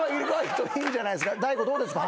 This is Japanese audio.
大悟どうですか？